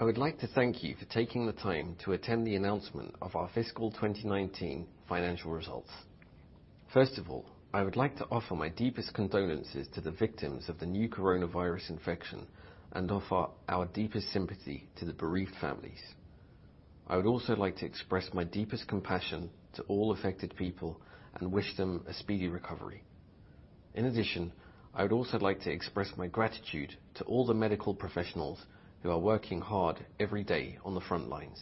I would like to thank you for taking the time to attend the announcement of our fiscal 2019 financial results. First of all, I would like to offer my deepest condolences to the victims of the new coronavirus infection and offer our deepest sympathy to the bereaved families. I would also like to express my deepest compassion to all affected people and wish them a speedy recovery. In addition, I would also like to express my gratitude to all the medical professionals who are working hard every day on the front lines.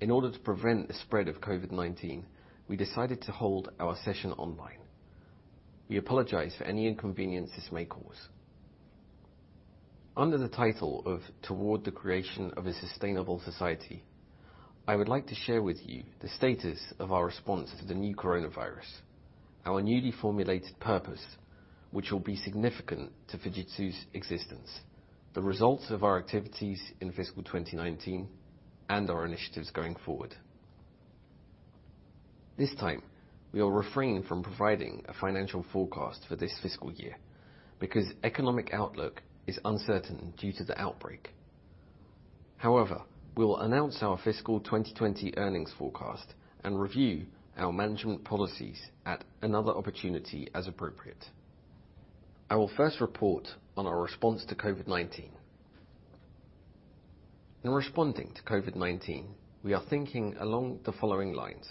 In order to prevent the spread of COVID-19, we decided to hold our session online. We apologize for any inconvenience this may cause. Under the title of Toward the Creation of a Sustainable Society, I would like to share with you the status of our response to the new coronavirus, our newly formulated purpose, which will be significant to Fujitsu's existence, the results of our activities in fiscal 2019, and our initiatives going forward. This time, we will refrain from providing a financial forecast for this fiscal year because economic outlook is uncertain due to the outbreak. We'll announce our fiscal 2020 earnings forecast and review our management policies at another opportunity as appropriate. I will first report on our response to COVID-19. In responding to COVID-19, we are thinking along the following lines.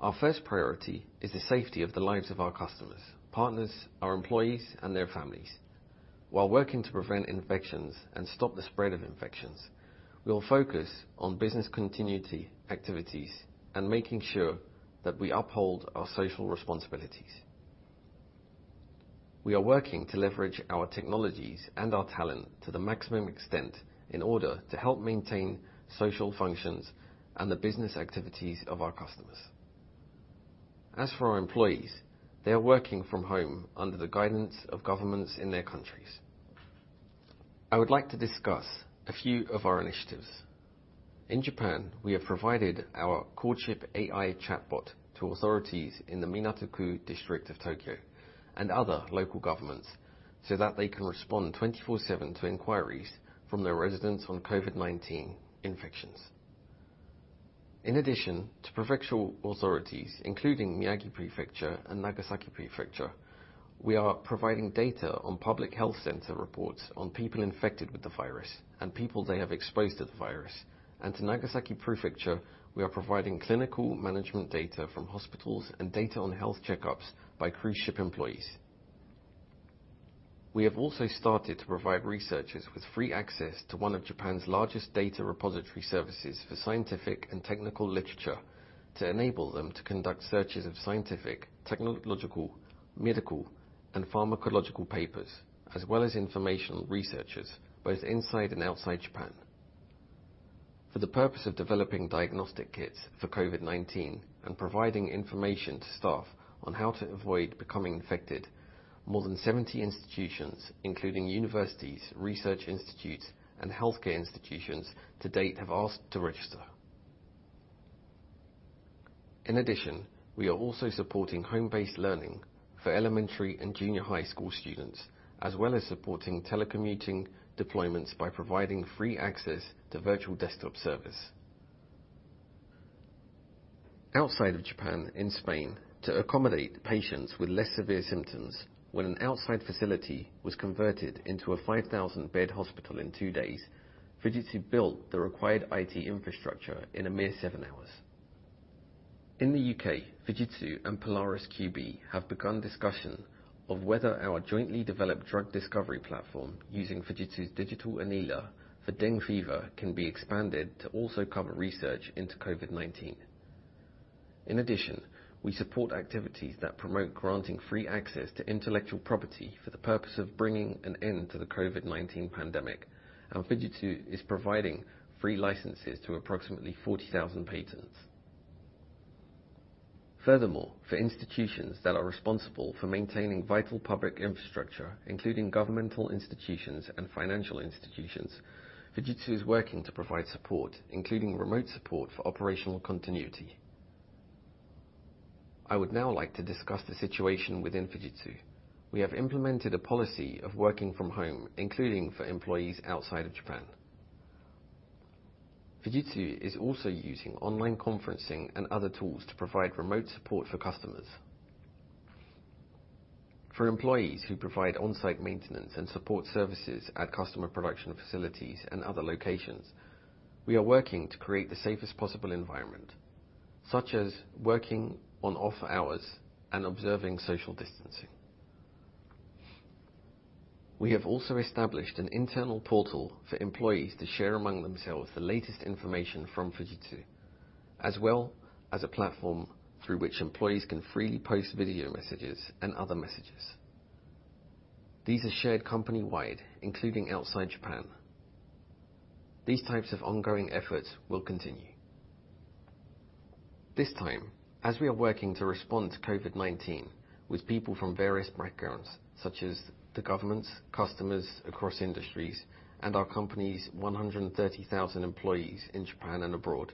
Our first priority is the safety of the lives of our customers, partners, our employees, and their families. While working to prevent infections and stop the spread of infections, we will focus on business continuity activities and making sure that we uphold our social responsibilities. We are working to leverage our technologies and our talent to the maximum extent in order to help maintain social functions and the business activities of our customers. As for our employees, they are working from home under the guidance of governments in their countries. I would like to discuss a few of our initiatives. In Japan, we have provided our CHORDSHIP AI chatbot to authorities in the Minato-ku district of Tokyo and other local governments so that they can respond 24/7 to inquiries from their residents on COVID-19 infections. In addition to provincial authorities, including Miyagi Prefecture and Nagasaki Prefecture, we are providing data on public health center reports on people infected with the virus and people they have exposed to the virus. To Nagasaki Prefecture, we are providing clinical management data from hospitals and data on health checkups by cruise ship employees. We have also started to provide researchers with free access to one of Japan's largest data repository services for scientific and technical literature to enable them to conduct searches of scientific, technological, medical, and pharmacological papers, as well as informational researchers, both inside and outside Japan. For the purpose of developing diagnostic kits for COVID-19 and providing information to staff on how to avoid becoming infected, more than 70 institutions, including universities, research institutes, and healthcare institutions to date have asked to register. In addition, we are also supporting home-based learning for elementary and junior high school students, as well as supporting telecommuting deployments by providing free access to virtual desktop service. Outside of Japan, in Spain, to accommodate patients with less severe symptoms, when an outside facility was converted into a 5,000-bed hospital in two days, Fujitsu built the required IT infrastructure in a mere 7 hours. In the U.K., Fujitsu and PolarisQB have begun discussion of whether our jointly developed drug discovery platform using Fujitsu's Digital Annealer for dengue fever can be expanded to also cover research into COVID-19. In addition, we support activities that promote granting free access to intellectual property for the purpose of bringing an end to the COVID-19 pandemic, and Fujitsu is providing free licenses to approximately 40,000 patents. For institutions that are responsible for maintaining vital public infrastructure, including governmental institutions and financial institutions, Fujitsu is working to provide support, including remote support for operational continuity. I would now like to discuss the situation within Fujitsu. We have implemented a policy of working from home, including for employees outside of Japan. Fujitsu is also using online conferencing and other tools to provide remote support for customers. For employees who provide on-site maintenance and support services at customer production facilities and other locations, we are working to create the safest possible environment, such as working on off hours and observing social distancing. We have also established an internal portal for employees to share among themselves the latest information from Fujitsu, as well as a platform through which employees can freely post video messages and other messages. These are shared company-wide, including outside Japan. These types of ongoing efforts will continue. This time, as we are working to respond to COVID-19 with people from various backgrounds, such as the governments, customers across industries, and our company's 130,000 employees in Japan and abroad,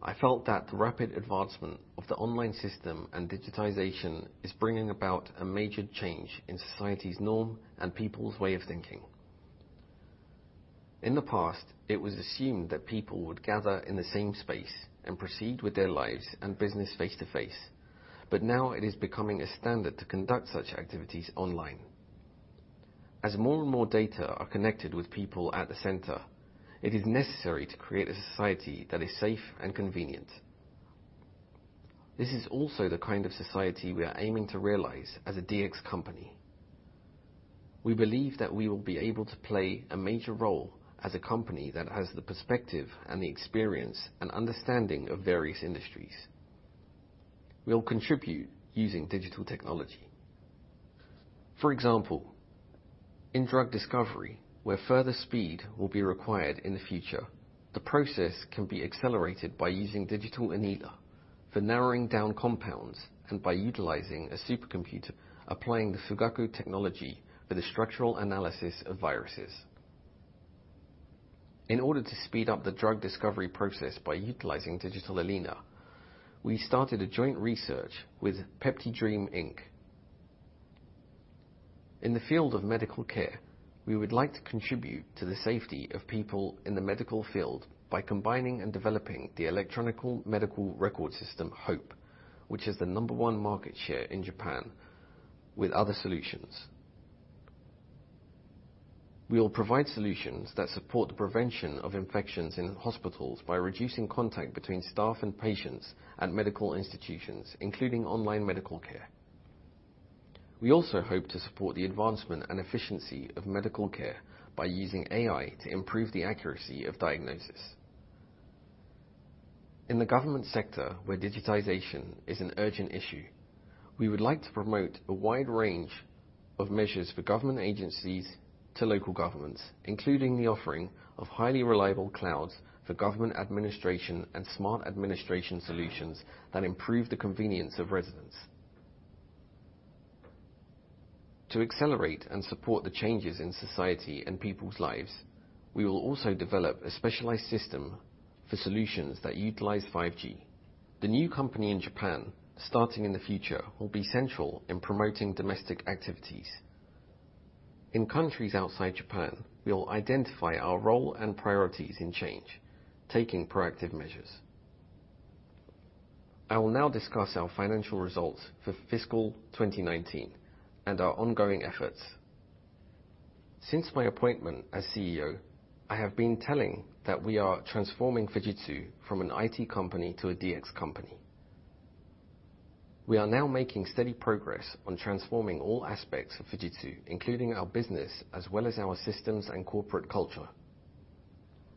I felt that the rapid advancement of the online system and digitization is bringing about a major change in society's norm and people's way of thinking. In the past, it was assumed that people would gather in the same space and proceed with their lives and business face-to-face. Now it is becoming a standard to conduct such activities online. As more and more data are connected with people at the center, it is necessary to create a society that is safe and convenient. This is also the kind of society we are aiming to realize as a DX company. We believe that we will be able to play a major role as a company that has the perspective and the experience and understanding of various industries. We'll contribute using digital technology. For example, in drug discovery, where further speed will be required in the future, the process can be accelerated by using Digital Annealer for narrowing down compounds, and by utilizing a supercomputer, applying the Fugaku technology for the structural analysis of viruses. In order to speed up the drug discovery process by utilizing Digital Annealer, we started a joint research with PeptiDream Inc. In the field of medical care, we would like to contribute to the safety of people in the medical field by combining and developing the electronic medical record system, HOPE, which is the number one market share in Japan with other solutions. We will provide solutions that support the prevention of infections in hospitals by reducing contact between staff and patients at medical institutions, including online medical care. We also hope to support the advancement and efficiency of medical care by using AI to improve the accuracy of diagnosis. In the government sector, where digitization is an urgent issue, we would like to promote a wide range of measures for government agencies to local governments, including the offering of highly reliable clouds for government administration and smart administration solutions that improve the convenience of residents. To accelerate and support the changes in society and people's lives, we will also develop a specialized system for solutions that utilize 5G. The new company in Japan, starting in the future, will be central in promoting domestic activities. In countries outside Japan, we will identify our role and priorities in change, taking proactive measures. I will now discuss our financial results for fiscal 2019 and our ongoing efforts. Since my appointment as CEO, I have been telling that we are transforming Fujitsu from an IT company to a DX company. We are now making steady progress on transforming all aspects of Fujitsu, including our business as well as our systems and corporate culture.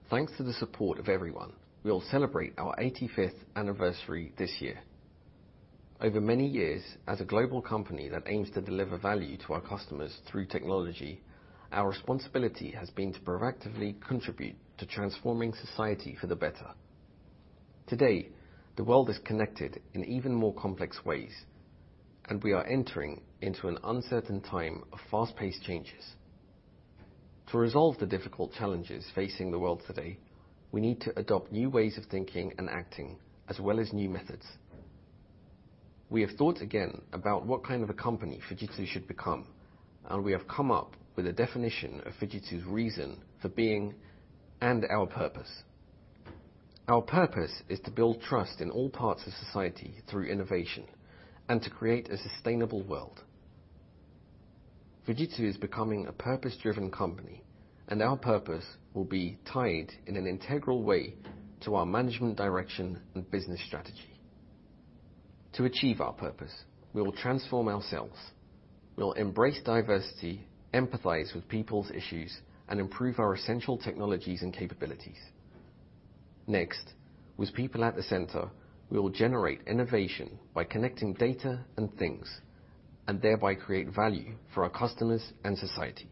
Thanks to the support of everyone, we will celebrate our 85th anniversary this year. Over many years, as a global company that aims to deliver value to our customers through technology, our responsibility has been to proactively contribute to transforming society for the better. Today, the world is connected in even more complex ways, and we are entering into an uncertain time of fast-paced changes. To resolve the difficult challenges facing the world today, we need to adopt new ways of thinking and acting, as well as new methods. We have thought again about what kind of a company Fujitsu should become, and we have come up with a definition of Fujitsu's reason for being and our purpose. Our purpose is to build trust in all parts of society through innovation and to create a sustainable world. Fujitsu is becoming a purpose-driven company, and our purpose will be tied in an integral way to our management direction and business strategy. To achieve our purpose, we will transform ourselves. We'll embrace diversity, empathize with people's issues, and improve our essential technologies and capabilities. Next, with people at the center, we will generate innovation by connecting data and things, and thereby create value for our customers and society.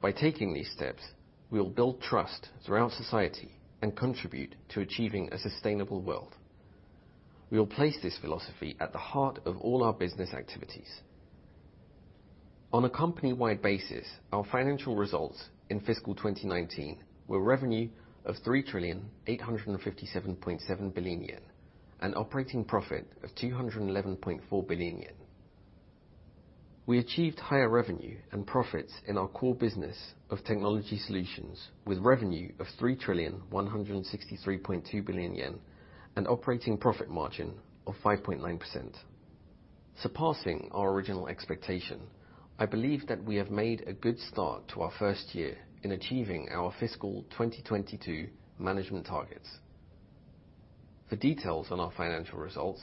By taking these steps, we will build trust throughout society and contribute to achieving a sustainable world. We will place this philosophy at the heart of all our business activities. On a company-wide basis, our financial results in fiscal 2019, were revenue of 3 trillion 857.7 billion, an operating profit of 211.4 billion yen. We achieved higher revenue and profits in our core business of technology solutions with revenue of 3 trillion 163.2 billion, an operating profit margin of 5.9%. Surpassing our original expectation, I believe that we have made a good start to our first year in achieving our fiscal 2022 management targets. For details on our financial results,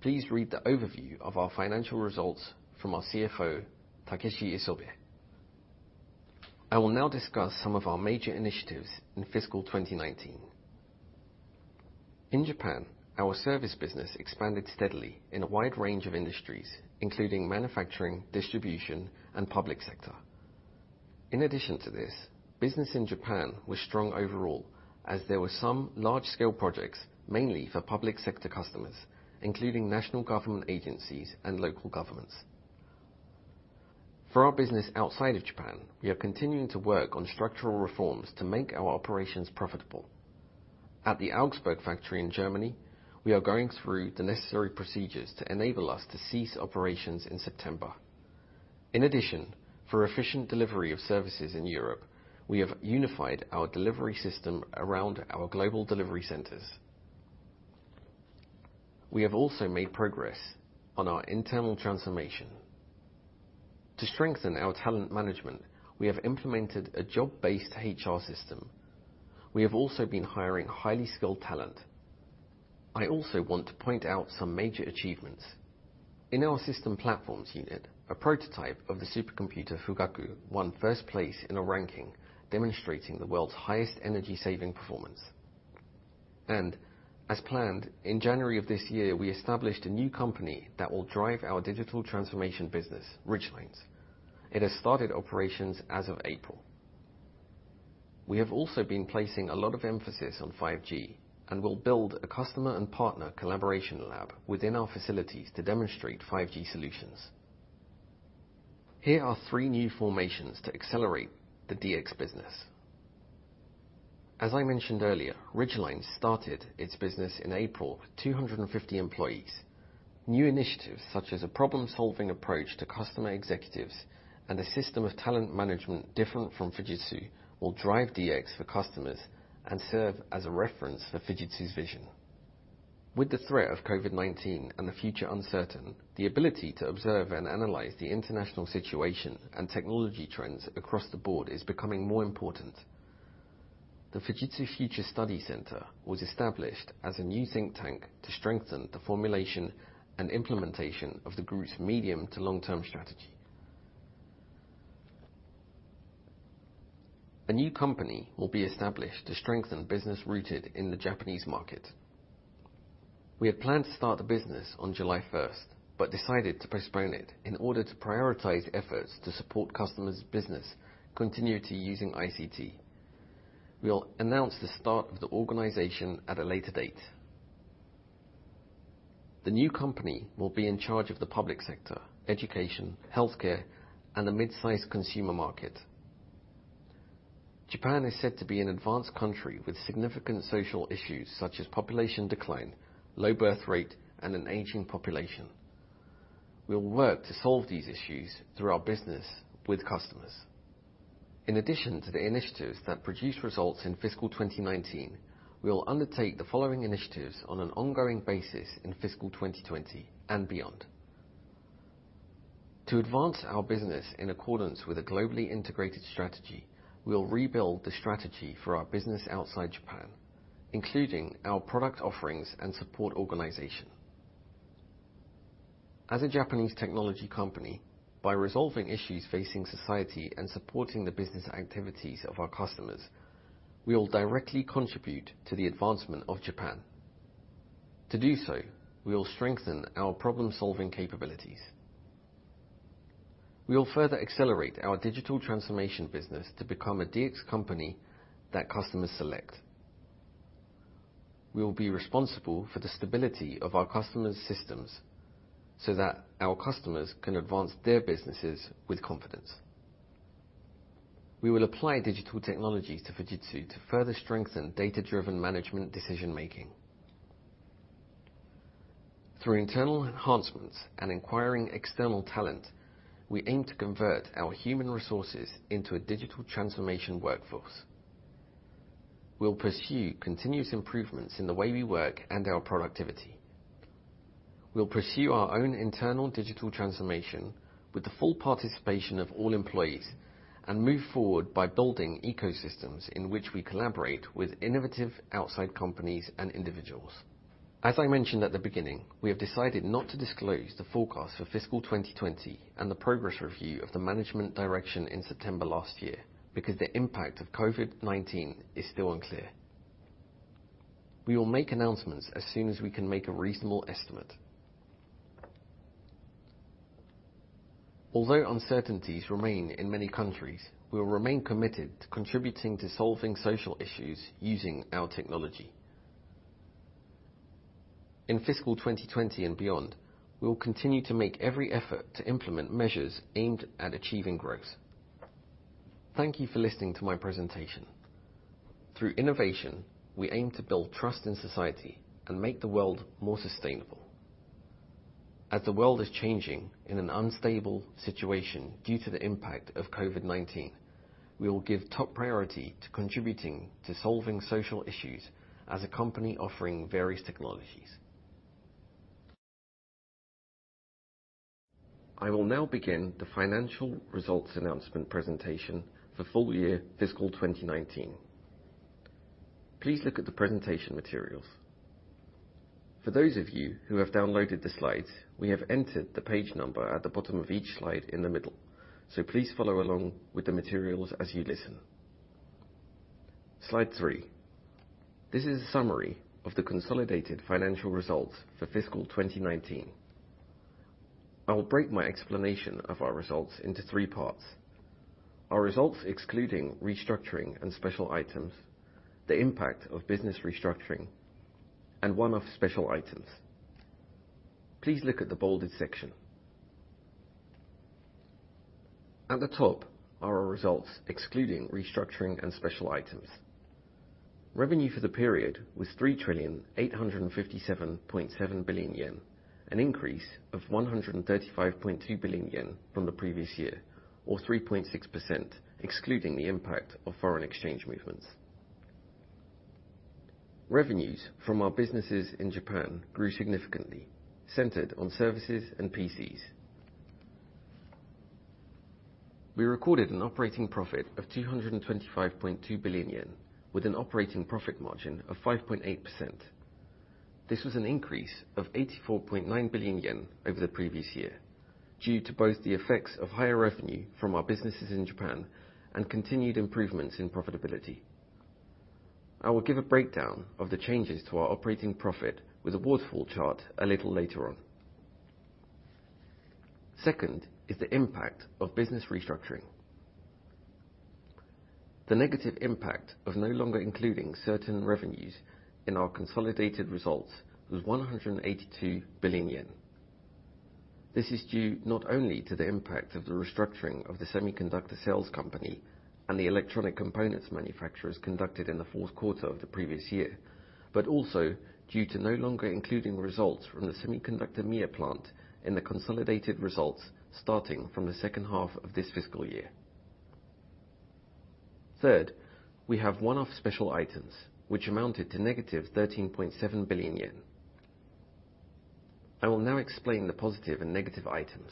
please read the overview of our financial results from our CFO, Takeshi Isobe. I will now discuss some of our major initiatives in fiscal 2019. In Japan, our service business expanded steadily in a wide range of industries, including manufacturing, distribution, and public sector. In addition to this, business in Japan was strong overall as there were some large-scale projects, mainly for public sector customers, including national government agencies and local governments. For our business outside of Japan, we are continuing to work on structural reforms to make our operations profitable. At the Augsburg factory in Germany, we are going through the necessary procedures to enable us to cease operations in September. In addition, for efficient delivery of services in Europe, we have unified our delivery system around our global delivery centers. We have also made progress on our internal transformation. To strengthen our talent management, we have implemented a job-based HR system. We have also been hiring highly skilled talent. I also want to point out some major achievements. In our System Platforms unit, a prototype of the supercomputer Fugaku won first place in a ranking demonstrating the world's highest energy-saving performance. As planned, in January of this year, we established a new company that will drive our digital transformation business, Ridgelinez. It has started operations as of April. We have also been placing a lot of emphasis on 5G and will build a customer and partner collaboration lab within our facilities to demonstrate 5G solutions. Here are three new formations to accelerate the DX business. As I mentioned earlier, Ridgelinez started its business in April with 250 employees. New initiatives, such as a problem-solving approach to customer executives and a system of talent management different from Fujitsu, will drive DX for customers and serve as a reference for Fujitsu's vision. With the threat of COVID-19 and the future uncertain, the ability to observe and analyze the international situation and technology trends across the board is becoming more important. The Fujitsu Future Studies Center was established as a new think tank to strengthen the formulation and implementation of the Group's medium to long-term strategy. A new company will be established to strengthen business rooted in the Japanese market. We had planned to start the business on July 1st but decided to postpone it in order to prioritize efforts to support customers' business continuity using ICT. We'll announce the start of the organization at a later date. The new company will be in charge of the public sector, education, healthcare, and the midsize consumer market. Japan is said to be an advanced country with significant social issues such as population decline, low birth rate, and an aging population. We'll work to solve these issues through our business with customers. In addition to the initiatives that produce results in fiscal 2019, we will undertake the following initiatives on an ongoing basis in fiscal 2020 and beyond. To advance our business in accordance with a globally integrated strategy, we'll rebuild the strategy for our business outside Japan, including our product offerings and support organization. As a Japanese technology company, by resolving issues facing society and supporting the business activities of our customers, we will directly contribute to the advancement of Japan. To do so, we will strengthen our problem-solving capabilities. We will further accelerate our digital transformation business to become a DX company that customers select. We will be responsible for the stability of our customers' systems so that our customers can advance their businesses with confidence. We will apply digital technology to Fujitsu to further strengthen data-driven management decision-making. Through internal enhancements and acquiring external talent, we aim to convert our human resources into a digital transformation workforce. We'll pursue continuous improvements in the way we work and our productivity. We'll pursue our own internal digital transformation with the full participation of all employees and move forward by building ecosystems in which we collaborate with innovative outside companies and individuals. As I mentioned at the beginning, we have decided not to disclose the forecast for fiscal 2020 and the progress review of the management direction in September last year because the impact of COVID-19 is still unclear. We will make announcements as soon as we can make a reasonable estimate. Although uncertainties remain in many countries, we will remain committed to contributing to solving social issues using our technology. In fiscal 2020 and beyond, we will continue to make every effort to implement measures aimed at achieving growth. Thank you for listening to my presentation. Through innovation, we aim to build trust in society and make the world more sustainable. As the world is changing in an unstable situation due to the impact of COVID-19, we will give top priority to contributing to solving social issues as a company offering various technologies. I will now begin the financial results announcement presentation for full year fiscal 2019. Please look at the presentation materials. For those of you who have downloaded the slides, we have entered the page number at the bottom of each slide in the middle, so please follow along with the materials as you listen. Slide three. This is a summary of the consolidated financial results for fiscal 2019. I will break my explanation of our results into three parts. Our results excluding restructuring and special items, the impact of business restructuring, and one-off special items. Please look at the bolded section. At the top are our results excluding restructuring and special items. Revenue for the period was 3,857.7 billion yen, an increase of 135.2 billion yen from the previous year, or 3.6%, excluding the impact of foreign exchange movements. Revenues from our businesses in Japan grew significantly, centered on services and PCs. We recorded an operating profit of 225.2 billion yen with an operating profit margin of 5.8%. This was an increase of 84.9 billion yen over the previous year, due to both the effects of higher revenue from our businesses in Japan and continued improvements in profitability. I will give a breakdown of the changes to our operating profit with a waterfall chart a little later on. Second is the impact of business restructuring. The negative impact of no longer including certain revenues in our consolidated results was 182 billion yen. This is due not only to the impact of the restructuring of the semiconductor sales company and the electronic components manufacturers conducted in the fourth quarter of the previous year, but also due to no longer including results from the semiconductor Mie plant in the consolidated results starting from the second half of this fiscal year. Third, we have one-off special items, which amounted to negative 13.7 billion yen. I will now explain the positive and negative items.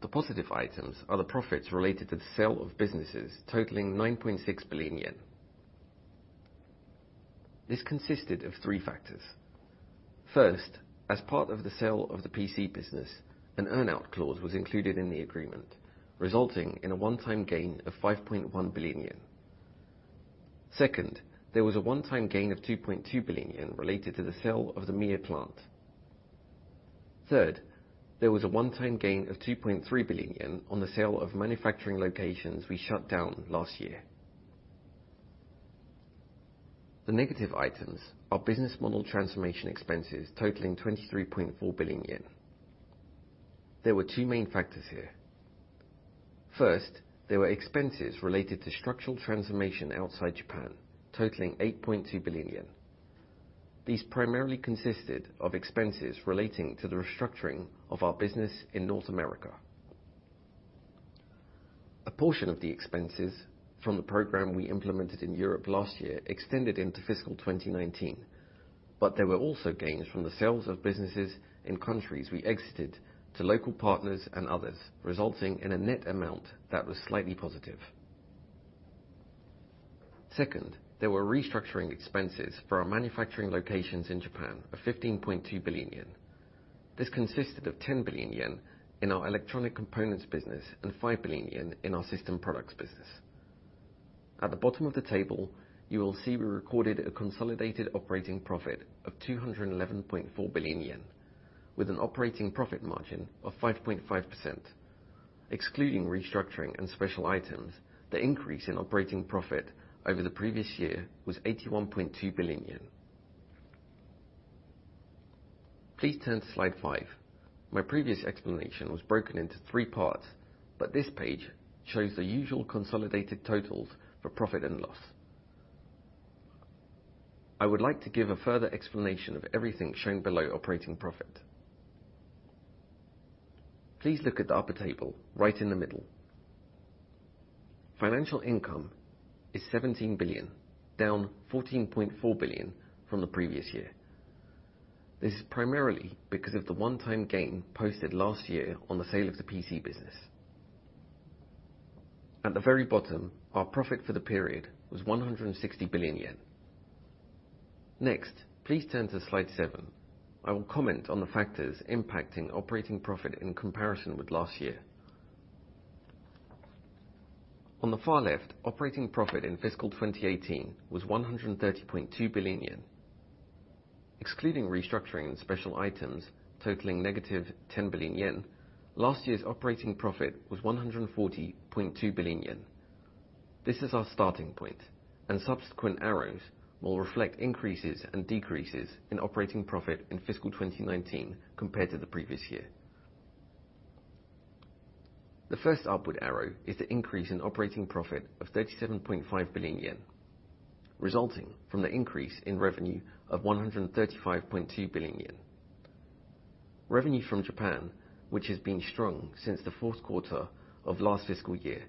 The positive items are the profits related to the sale of businesses totaling 9.6 billion yen. This consisted of three factors. First, as part of the sale of the PC business, an earn-out clause was included in the agreement, resulting in a one-time gain of 5.1 billion yen. Second, there was a one-time gain of 2.2 billion yen related to the sale of the Mie plant. Third, there was a one-time gain of 2.3 billion yen on the sale of manufacturing locations we shut down last year. The negative items are business model transformation expenses totaling 23.4 billion yen. There were two main factors here. First, there were expenses related to structural transformation outside Japan totaling 8.2 billion yen. These primarily consisted of expenses relating to the restructuring of our business in North America. A portion of the expenses from the program we implemented in Europe last year extended into FY 2019, but there were also gains from the sales of businesses in countries we exited to local partners and others, resulting in a net amount that was slightly positive. Second, there were restructuring expenses for our manufacturing locations in Japan of 15.2 billion yen. This consisted of 10 billion yen in our electronic components business and 5 billion yen in our system products business. At the bottom of the table, you will see we recorded a consolidated operating profit of 211.4 billion yen with an operating profit margin of 5.5%, excluding restructuring and special items, the increase in operating profit over the previous year was 81.2 billion yen. Please turn to slide five. My previous explanation was broken into three parts, but this page shows the usual consolidated totals for profit and loss. I would like to give a further explanation of everything shown below operating profit. Please look at the upper table, right in the middle. Financial income is 17 billion, down 14.4 billion from the previous year. This is primarily because of the one-time gain posted last year on the sale of the PC business. At the very bottom, our profit for the period was 160 billion yen. Next, please turn to slide seven. I will comment on the factors impacting operating profit in comparison with last year. On the far left, operating profit in FY 2018 was 130.2 billion yen. Excluding restructuring and special items totaling negative 10 billion yen, last year's operating profit was 140.2 billion yen. This is our starting point, and subsequent arrows will reflect increases and decreases in operating profit in FY 2019 compared to the previous year. The first upward arrow is the increase in operating profit of 37.5 billion yen, resulting from the increase in revenue of 135.2 billion yen. Revenue from Japan, which has been strong since the fourth quarter of last fiscal year,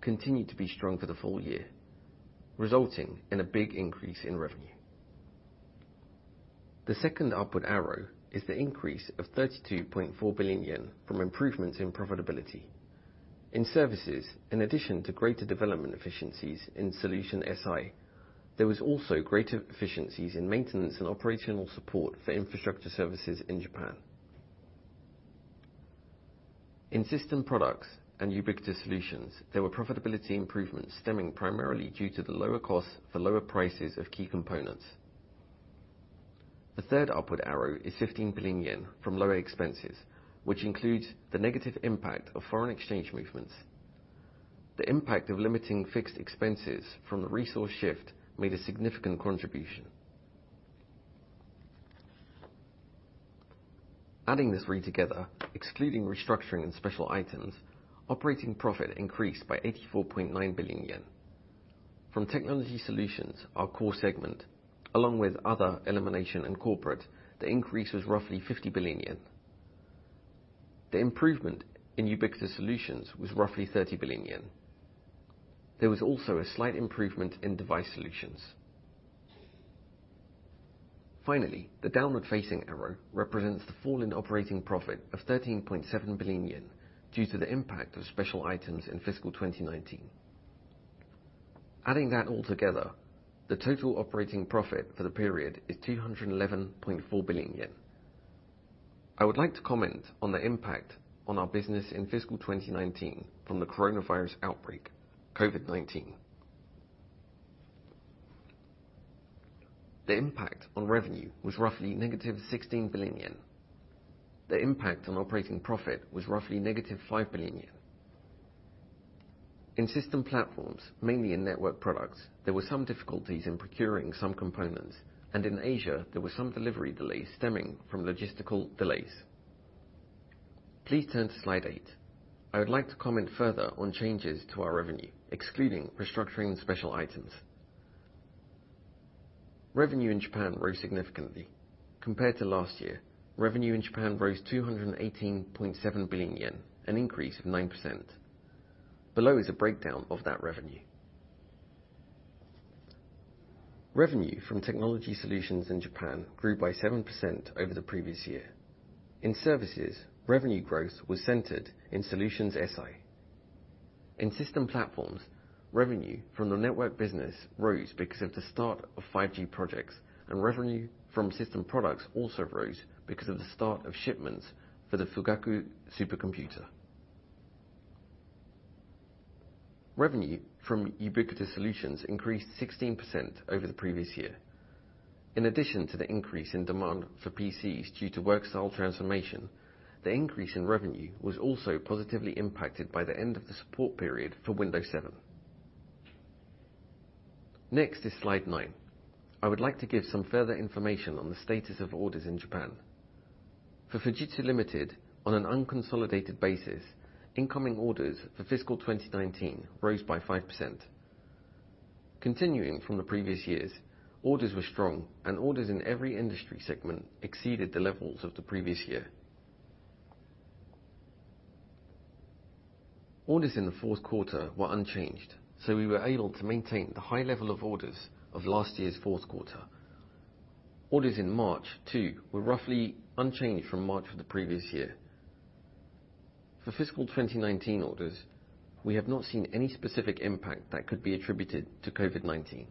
continued to be strong for the full year, resulting in a big increase in revenue. The second upward arrow is the increase of 32.4 billion yen from improvements in profitability. In services, in addition to greater development efficiencies in Solutions/SI, there was also greater efficiencies in maintenance and operational support for infrastructure services in Japan. In system products and Ubiquitous Solutions, there were profitability improvements stemming primarily due to the lower cost for lower prices of key components. The third upward arrow is 15 billion yen from lower expenses, which includes the negative impact of foreign exchange movements. The impact of limiting fixed expenses from the resource shift made a significant contribution. Adding these three together, excluding restructuring and special items, operating profit increased by 84.9 billion yen. From Technology Solutions, our core segment, along with other elimination and corporate, the increase was roughly 50 billion yen. The improvement in Ubiquitous Solutions was roughly 30 billion yen. There was also a slight improvement in Device Solutions. The downward facing arrow represents the fall in operating profit of 13.7 billion yen, due to the impact of special items in FY 2019. Adding that all together, the total operating profit for the period is 211.4 billion yen. I would like to comment on the impact on our business in FY 2019 from the COVID-19 outbreak. The impact on revenue was roughly negative 16 billion yen. The impact on operating profit was roughly negative 5 billion yen. In System Platforms, mainly in network products, there were some difficulties in procuring some components, and in Asia, there were some delivery delays stemming from logistical delays. Please turn to slide eight. I would like to comment further on changes to our revenue, excluding restructuring special items. Revenue in Japan rose significantly. Compared to last year, revenue in Japan rose 218.7 billion yen, an increase of 9%. Below is a breakdown of that revenue. Revenue from technology solutions in Japan grew by 7% over the previous year. In services, revenue growth was centered in Solutions/SI. In System Platforms, revenue from the network business rose because of the start of 5G projects, and revenue from system products also rose because of the start of shipments for the Fugaku supercomputer. Revenue from Ubiquitous Solutions increased 16% over the previous year. In addition to the increase in demand for PCs due to work style transformation, the increase in revenue was also positively impacted by the end of the support period for Windows 7. Next is slide nine. I would like to give some further information on the status of orders in Japan. For Fujitsu Limited, on an unconsolidated basis, incoming orders for FY 2019 rose by 5%. Continuing from the previous years, orders were strong and orders in every industry segment exceeded the levels of the previous year. Orders in the fourth quarter were unchanged, we were able to maintain the high level of orders of last year's fourth quarter. Orders in March, too, were roughly unchanged from March of the previous year. For FY 2019 orders, we have not seen any specific impact that could be attributed to COVID-19.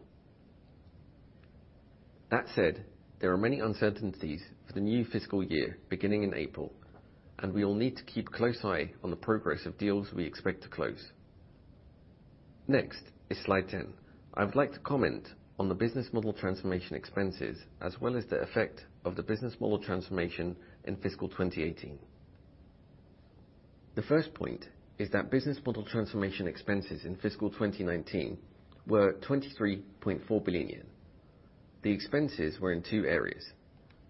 That said, there are many uncertainties for the new fiscal year beginning in April, and we will need to keep close eye on the progress of deals we expect to close. Next is slide 10. I would like to comment on the business model transformation expenses as well as the effect of the business model transformation in FY 2018. The first point is that business model transformation expenses in FY 2019 were 23.4 billion yen. The expenses were in two areas: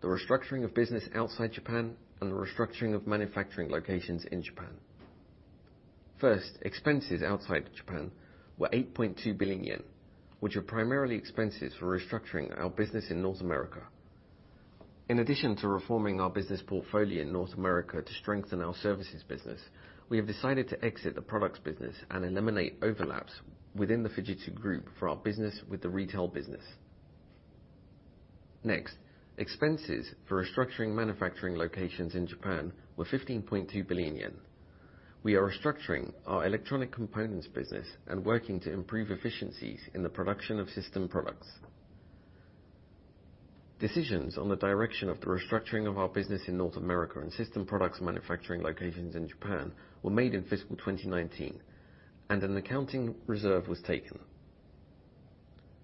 the restructuring of business outside Japan and the restructuring of manufacturing locations in Japan. First, expenses outside Japan were 8.2 billion yen, which were primarily expenses for restructuring our business in North America. In addition to reforming our business portfolio in North America to strengthen our services business, we have decided to exit the products business and eliminate overlaps within the Fujitsu Group for our business with the retail business. Next, expenses for restructuring manufacturing locations in Japan were 15.2 billion yen. We are restructuring our electronic components business and working to improve efficiencies in the production of system products. Decisions on the direction of the restructuring of our business in North America and system products manufacturing locations in Japan were made in FY 2019, and an accounting reserve was taken.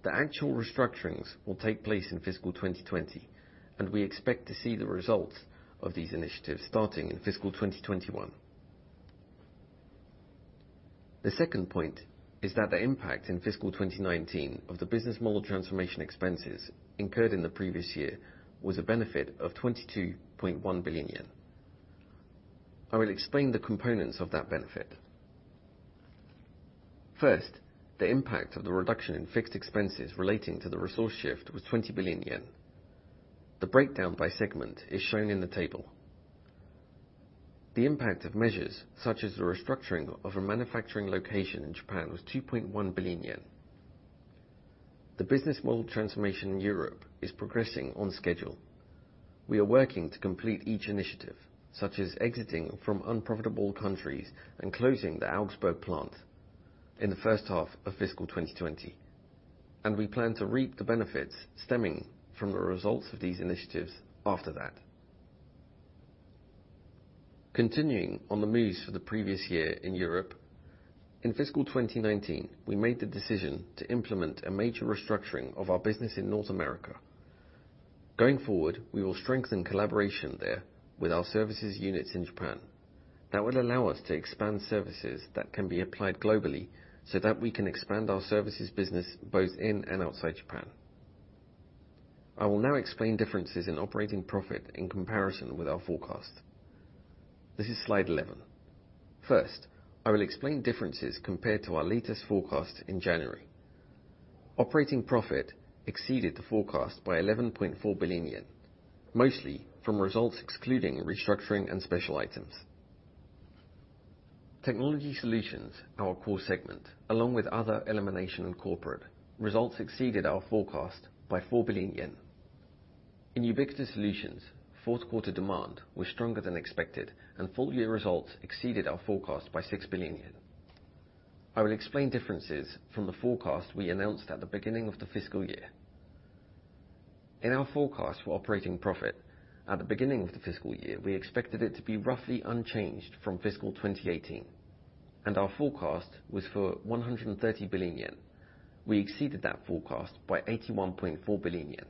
The actual restructurings will take place in fiscal 2020, and we expect to see the results of these initiatives starting in fiscal 2021. The second point is that the impact in fiscal 2019 of the business model transformation expenses incurred in the previous year was a benefit of 22.1 billion yen. I will explain the components of that benefit. First, the impact of the reduction in fixed expenses relating to the resource shift was 20 billion yen. The breakdown by segment is shown in the table. The impact of measures such as the restructuring of a manufacturing location in Japan was 2.1 billion yen. The business model transformation in Europe is progressing on schedule. We are working to complete each initiative, such as exiting from unprofitable countries and closing the Augsburg plant in the first half of fiscal 2020, and we plan to reap the benefits stemming from the results of these initiatives after that. Continuing on the moves for the previous year in Europe, in fiscal 2019, we made the decision to implement a major restructuring of our business in North America. Going forward, we will strengthen collaboration there with our services units in Japan. That will allow us to expand services that can be applied globally so that we can expand our services business both in and outside Japan. I will now explain differences in operating profit in comparison with our forecast. This is slide 11. First, I will explain differences compared to our latest forecast in January. Operating profit exceeded the forecast by 11.4 billion yen, mostly from results excluding restructuring and special items. Technology Solutions, our core segment, along with other elimination in corporate, results exceeded our forecast by 4 billion yen. In Ubiquitous Solutions, fourth quarter demand was stronger than expected, and full year results exceeded our forecast by 6 billion yen. I will explain differences from the forecast we announced at the beginning of the fiscal year. In our forecast for operating profit at the beginning of the fiscal year, we expected it to be roughly unchanged from fiscal 2018, and our forecast was for 130 billion yen. We exceeded that forecast by 81.4 billion yen.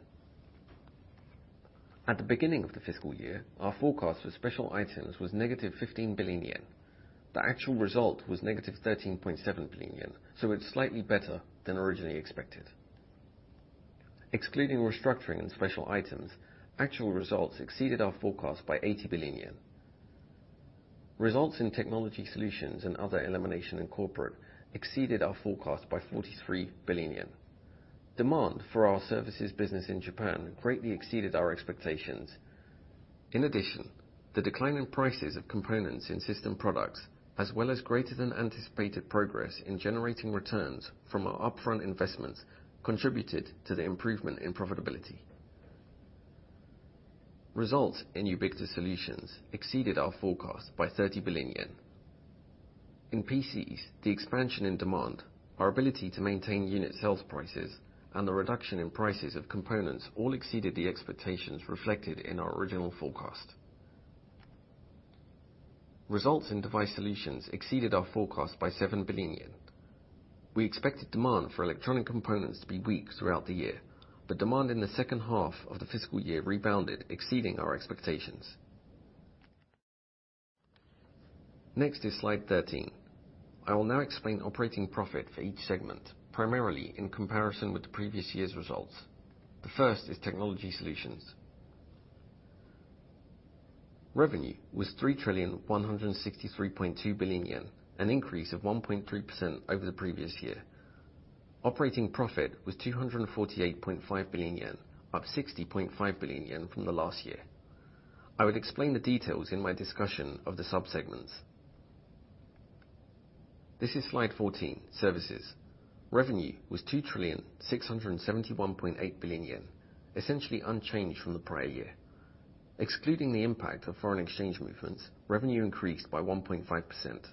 At the beginning of the fiscal year, our forecast for special items was negative 15 billion yen. The actual result was negative 13.7 billion yen, so it's slightly better than originally expected. Excluding restructuring and special items, actual results exceeded our forecast by 80 billion yen. Results in Technology Solutions and other elimination in corporate exceeded our forecast by 43 billion yen. Demand for our services business in Japan greatly exceeded our expectations. In addition, the decline in prices of components in system products, as well as greater than anticipated progress in generating returns from our upfront investments, contributed to the improvement in profitability. Results in Ubiquitous Solutions exceeded our forecast by 30 billion yen. In PCs, the expansion in demand, our ability to maintain unit sales prices, and the reduction in prices of components all exceeded the expectations reflected in our original forecast. Results in Device Solutions exceeded our forecast by 7 billion yen. We expected demand for electronic components to be weak throughout the year, demand in the second half of the fiscal year rebounded, exceeding our expectations. Next is slide 13. I will now explain operating profit for each segment, primarily in comparison with the previous year's results. The first is Technology Solutions. Revenue was 3,163.2 billion yen, an increase of 1.3% over the previous year. Operating profit was 248.5 billion yen, up 60.5 billion yen from the last year. I would explain the details in my discussion of the sub-segments. This is slide 14, Services. Revenue was 2,671.8 billion yen, essentially unchanged from the prior year. Excluding the impact of foreign exchange movements, revenue increased by 1.5%.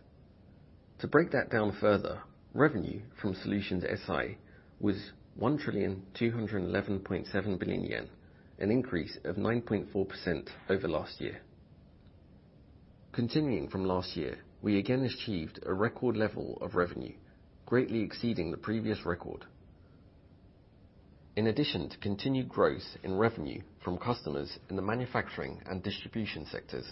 To break that down further, revenue from Solutions/SI was 1,211.7 billion yen, an increase of 9.4% over last year. Continuing from last year, we again achieved a record level of revenue, greatly exceeding the previous record. In addition to continued growth in revenue from customers in the manufacturing and distribution sectors,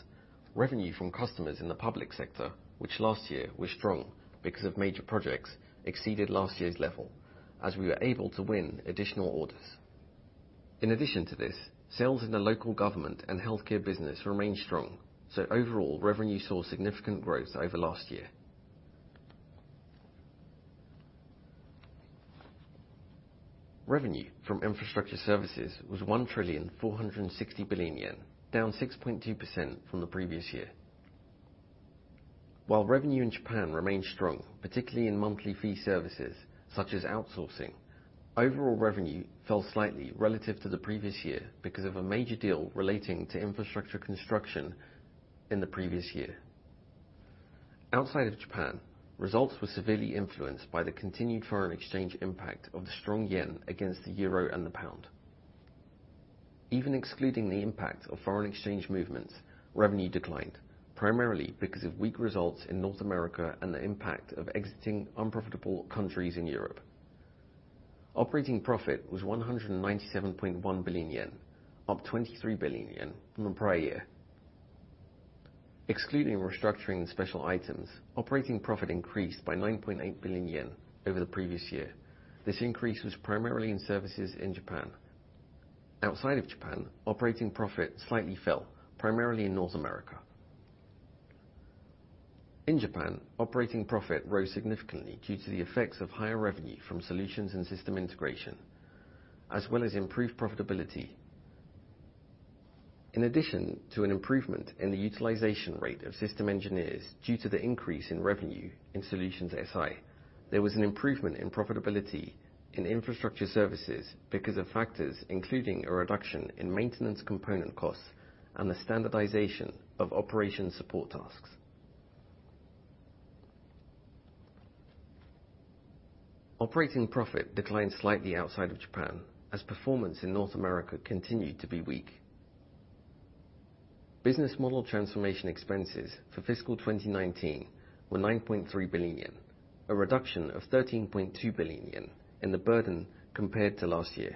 revenue from customers in the public sector, which last year was strong because of major projects, exceeded last year's level as we were able to win additional orders. In addition to this, sales in the local government and healthcare business remained strong, so overall revenue saw significant growth over last year. Revenue from infrastructure services was 1.460 billion yen, down 6.2% from the previous year. While revenue in Japan remained strong, particularly in monthly fee services such as outsourcing, overall revenue fell slightly relative to the previous year because of a major deal relating to infrastructure construction in the previous year. Outside of Japan, results were severely influenced by the continued foreign exchange impact of the strong yen against the euro and the pound. Even excluding the impact of foreign exchange movements, revenue declined, primarily because of weak results in North America and the impact of exiting unprofitable countries in Europe. Operating profit was 197.1 billion yen, up 23 billion yen from the prior year. Excluding restructuring and special items, operating profit increased by 9.8 billion yen over the previous year. This increase was primarily in Services in Japan. Outside of Japan, operating profit slightly fell, primarily in North America. In Japan, operating profit rose significantly due to the effects of higher revenue from Solutions and system integration, as well as improved profitability. In addition to an improvement in the utilization rate of system engineers due to the increase in revenue in Solutions/SI, there was an improvement in profitability in Infrastructure Services because of factors including a reduction in maintenance component costs and the standardization of operations support tasks. Operating profit declined slightly outside of Japan as performance in North America continued to be weak. Business model transformation expenses for FY 2019 were 9.3 billion yen, a reduction of 13.2 billion yen in the burden compared to last year.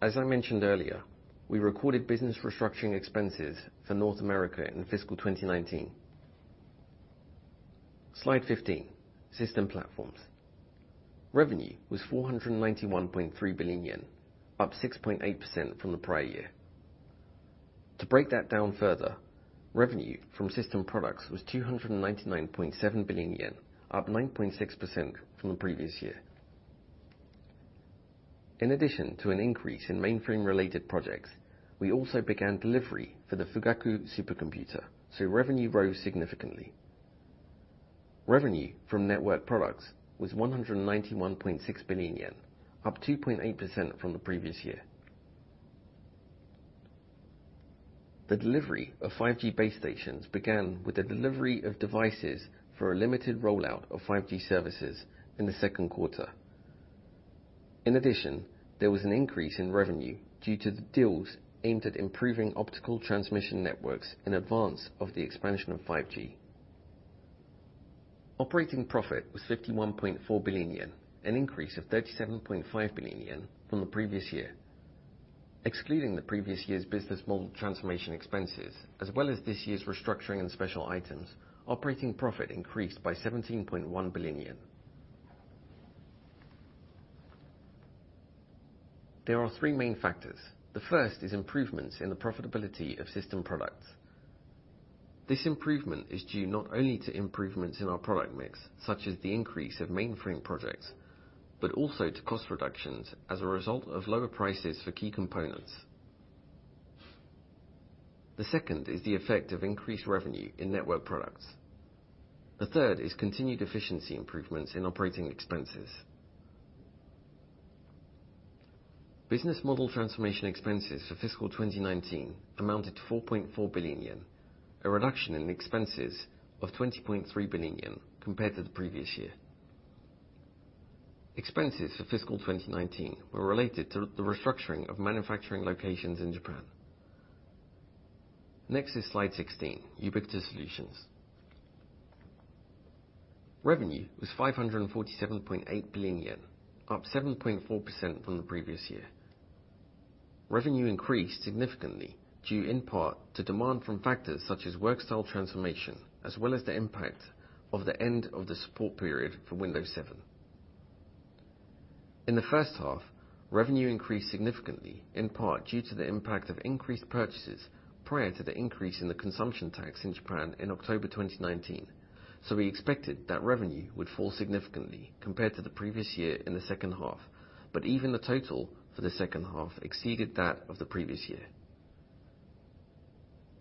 As I mentioned earlier, we recorded business restructuring expenses for North America in FY 2019. Slide 15, System Platforms. Revenue was 491.3 billion yen, up 6.8% from the prior year. To break that down further, revenue from system products was 299.7 billion yen, up 9.6% from the previous year. In addition to an increase in mainframe-related projects, we also began delivery for the Fugaku supercomputer, so revenue rose significantly. Revenue from network products was 191.6 billion yen, up 2.8% from the previous year. The delivery of 5G base stations began with the delivery of devices for a limited rollout of 5G services in the second quarter. There was an increase in revenue due to the deals aimed at improving optical transmission networks in advance of the expansion of 5G. Operating profit was 51.4 billion yen, an increase of 37.5 billion yen from the previous year. Excluding the previous year's business model transformation expenses, as well as this year's restructuring and special items, operating profit increased by 17.1 billion yen. There are three main factors. The first is improvements in the profitability of system products. This improvement is due not only to improvements in our product mix, such as the increase of mainframe projects, but also to cost reductions as a result of lower prices for key components. The second is the effect of increased revenue in network products. The third is continued efficiency improvements in operating expenses. Business model transformation expenses for fiscal 2019 amounted to 4.4 billion yen, a reduction in expenses of 20.3 billion yen compared to the previous year. Expenses for fiscal 2019 were related to the restructuring of manufacturing locations in Japan. Next is slide 16, Ubiquitous Solutions. Revenue was 547.8 billion yen, up 7.4% from the previous year. Revenue increased significantly, due in part to demand from factors such as work style transformation, as well as the impact of the end of the support period for Windows 7. In the first half, revenue increased significantly, in part due to the impact of increased purchases prior to the increase in the consumption tax in Japan in October 2019. We expected that revenue would fall significantly compared to the previous year in the second half, but even the total for the second half exceeded that of the previous year.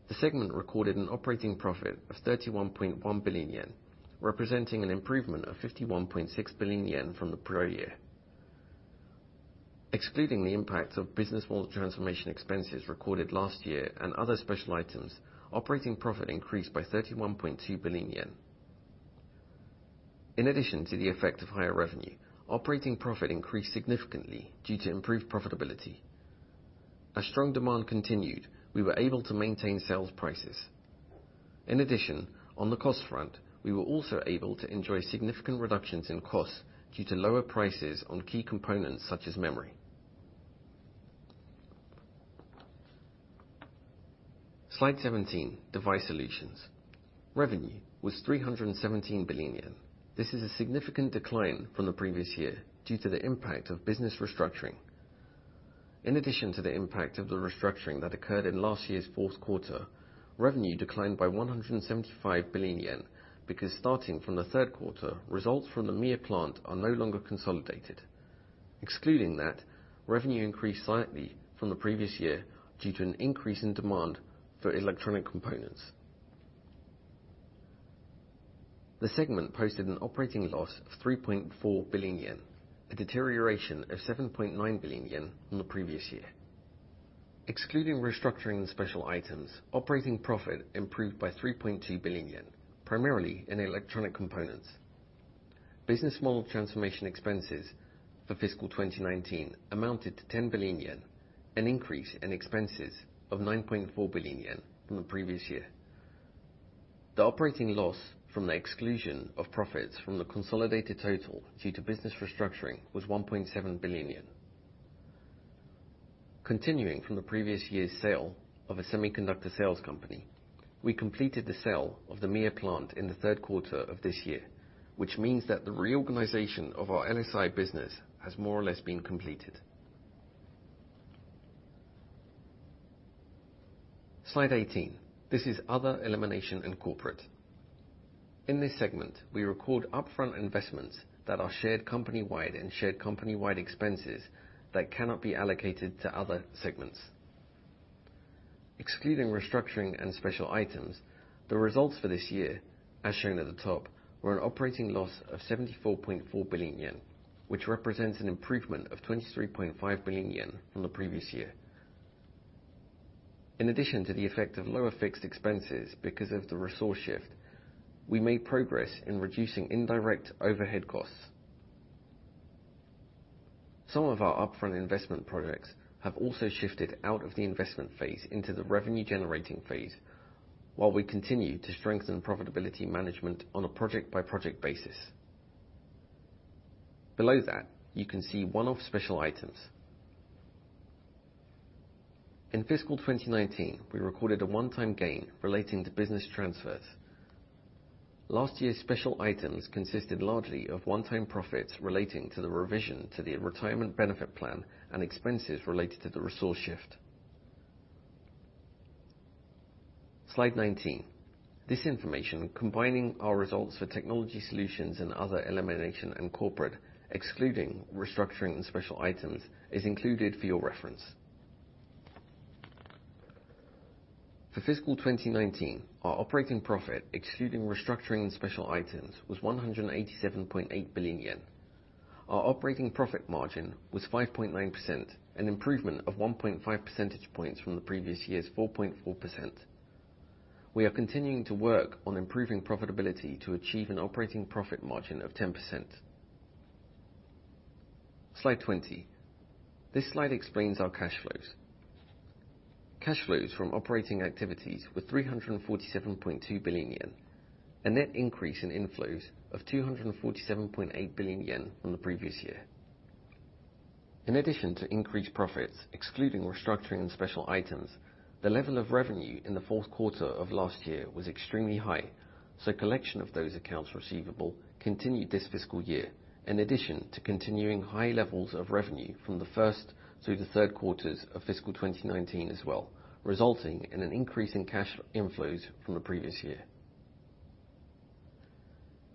The segment recorded an operating profit of 31.1 billion yen, representing an improvement of 51.6 billion yen from the prior year. Excluding the impact of business model transformation expenses recorded last year and other special items, operating profit increased by 31.2 billion yen. In addition to the effect of higher revenue, operating profit increased significantly due to improved profitability. As strong demand continued, we were able to maintain sales prices. In addition, on the cost front, we were also able to enjoy significant reductions in costs due to lower prices on key components such as memory. Slide 17, Device Solutions. Revenue was 317 billion yen. This is a significant decline from the previous year due to the impact of business restructuring. In addition to the impact of the restructuring that occurred in last year's fourth quarter, revenue declined by 175 billion yen because starting from the third quarter, results from the Mie plant are no longer consolidated. Excluding that, revenue increased slightly from the previous year due to an increase in demand for electronic components. The segment posted an operating loss of 3.4 billion yen, a deterioration of 7.9 billion yen from the previous year. Excluding restructuring and special items, operating profit improved by 3.2 billion yen, primarily in electronic components. Business model transformation expenses for fiscal 2019 amounted to 10 billion yen, an increase in expenses of 9.4 billion yen from the previous year. The operating loss from the exclusion of profits from the consolidated total due to business restructuring was 1.7 billion yen. Continuing from the previous year's sale of a semiconductor sales company, we completed the sale of the Mie plant in the third quarter of this year, which means that the reorganization of our LSI business has more or less been completed. Slide 18. This is Other, Elimination, and Corporate. In this segment, we record upfront investments that are shared company-wide and shared company-wide expenses that cannot be allocated to other segments. Excluding restructuring and special items, the results for this year, as shown at the top, were an operating loss of 74.4 billion yen, which represents an improvement of 23.5 billion yen from the previous year. In addition to the effect of lower fixed expenses because of the resource shift, we made progress in reducing indirect overhead costs. Some of our upfront investment projects have also shifted out of the investment phase into the revenue-generating phase, while we continue to strengthen profitability management on a project-by-project basis. Below that, you can see one-off special items. In fiscal 2019, we recorded a one-time gain relating to business transfers. Last year's special items consisted largely of one-time profits relating to the revision to the retirement benefit plan and expenses related to the resource shift. Slide 19. This information, combining our results for technology solutions and other elimination and corporate, excluding restructuring and special items, is included for your reference. For fiscal 2019, our operating profit, excluding restructuring and special items, was 187.8 billion yen. Our operating profit margin was 5.9%, an improvement of 1.5 percentage points from the previous year's 4.4%. We are continuing to work on improving profitability to achieve an operating profit margin of 10%. Slide 20. This slide explains our cash flows. Cash flows from operating activities were 347.2 billion yen, a net increase in inflows of 247.8 billion yen from the previous year. In addition to increased profits, excluding restructuring and special items, the level of revenue in the fourth quarter of last year was extremely high, so collection of those accounts receivable continued this fiscal year, in addition to continuing high levels of revenue from the first through the third quarters of fiscal 2019 as well, resulting in an increase in cash inflows from the previous year.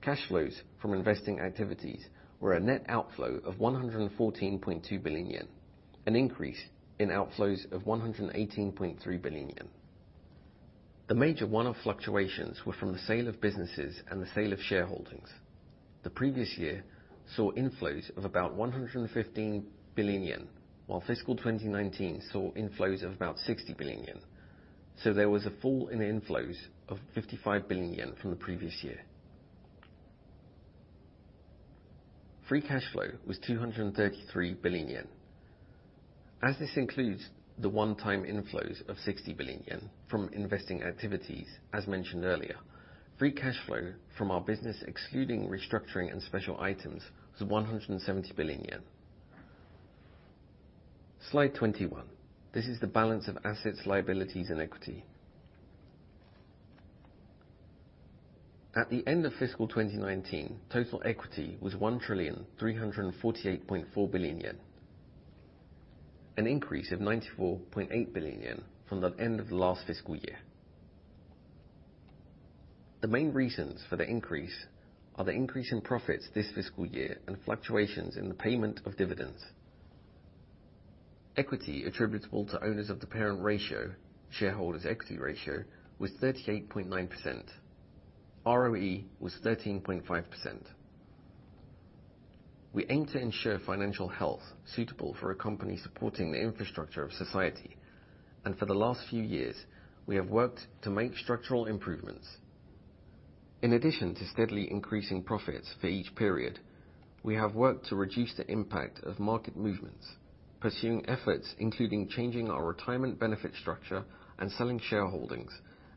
Cash flows from investing activities were a net outflow of 114.2 billion yen, an increase in outflows of 118.3 billion yen. The major one-off fluctuations were from the sale of businesses and the sale of shareholdings. The previous year saw inflows of about 115 billion yen, while fiscal 2019 saw inflows of about 60 billion yen. There was a fall in inflows of 55 billion yen from the previous year. Free cash flow was 233 billion yen. As this includes the one-time inflows of 60 billion yen from investing activities, as mentioned earlier, free cash flow from our business, excluding restructuring and special items, was 170 billion yen. Slide 21. This is the balance of assets, liabilities, and equity. At the end of fiscal 2019, total equity was 1.348 trillion yen, an increase of 94.8 billion yen from the end of the last fiscal year. The main reasons for the increase are the increase in profits this fiscal year and fluctuations in the payment of dividends. Equity attributable to owners of the parent ratio, shareholders equity ratio, was 38.9%. ROE was 13.5%. We aim to ensure financial health suitable for a company supporting the infrastructure of society. For the last few years, we have worked to make structural improvements. In addition to steadily increasing profits for each period, we have worked to reduce the impact of market movements, pursuing efforts including changing our retirement benefit structure and selling shareholdings.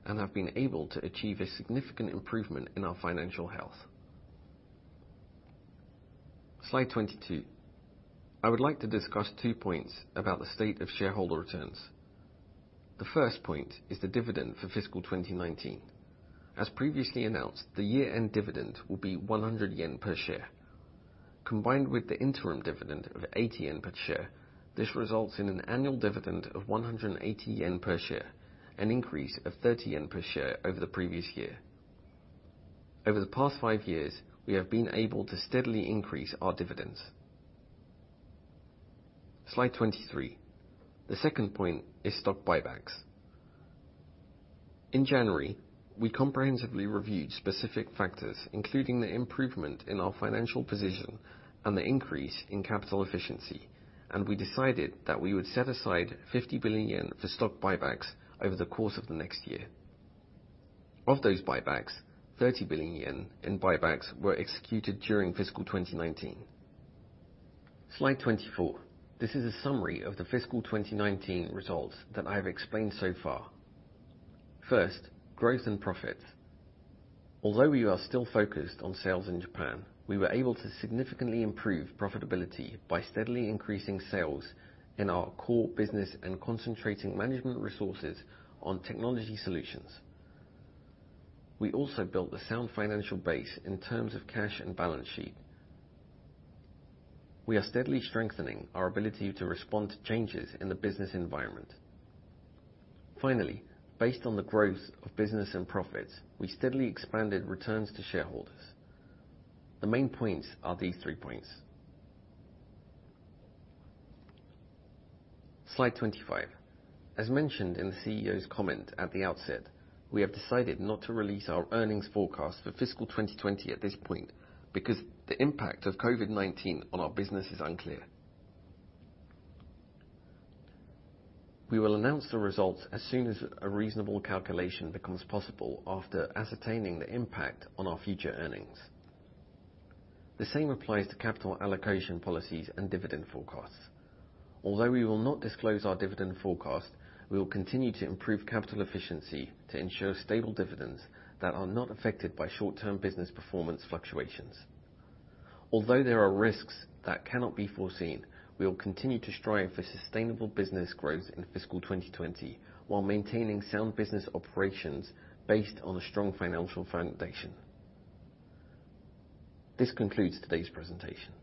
We have been able to achieve a significant improvement in our financial health. Slide 22. I would like to discuss two points about the state of shareholder returns. The first point is the dividend for fiscal 2019. As previously announced, the year-end dividend will be 100 yen per share. Combined with the interim dividend of 80 yen per share, this results in an annual dividend of 180 yen per share, an increase of 30 yen per share over the previous year. Over the past five years, we have been able to steadily increase our dividends. Slide 23. The second point is stock buybacks. In January, we comprehensively reviewed specific factors, including the improvement in our financial position and the increase in capital efficiency. We decided that we would set aside 50 billion yen for stock buybacks over the course of the next year. Of those buybacks, 30 billion yen in buybacks were executed during fiscal 2019. Slide 24. This is a summary of the fiscal 2019 results that I have explained so far. First, growth and profits. Although we are still focused on sales in Japan, we were able to significantly improve profitability by steadily increasing sales in our core business and concentrating management resources on technology solutions. We also built a sound financial base in terms of cash and balance sheet. We are steadily strengthening our ability to respond to changes in the business environment. Finally, based on the growth of business and profits, we steadily expanded returns to shareholders. The main points are these three points. Slide 25. As mentioned in the CEO's comment at the outset, we have decided not to release our earnings forecast for fiscal 2020 at this point because the impact of COVID-19 on our business is unclear. We will announce the results as soon as a reasonable calculation becomes possible after ascertaining the impact on our future earnings. The same applies to capital allocation policies and dividend forecasts. Although we will not disclose our dividend forecast, we will continue to improve capital efficiency to ensure stable dividends that are not affected by short-term business performance fluctuations. Although there are risks that cannot be foreseen, we will continue to strive for sustainable business growth in fiscal 2020 while maintaining sound business operations based on a strong financial foundation. This concludes today's presentation.